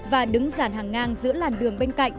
và đứng dàn hàng ngang giữa làn đường bên cạnh